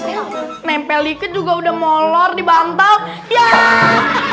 ya nempel ikut juga udah molor dibantau ya hahaha hahaha